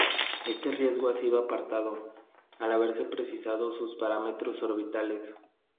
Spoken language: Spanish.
Este riesgo ha sido apartado, al haberse precisado sus parámetros orbitales.